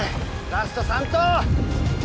ラスト３投！